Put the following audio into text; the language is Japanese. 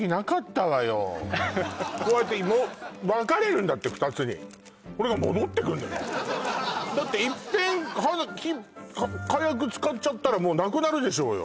こうやって分かれるんだって２つにこれが戻ってくんのよだっていっぺん火薬使っちゃったらもうなくなるでしょうよ